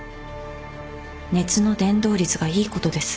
熱の伝導率がいいことです。